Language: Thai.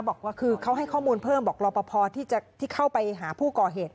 บอกว่าคือเขาให้ข้อมูลเพิ่มบอกรอปภที่เข้าไปหาผู้ก่อเหตุ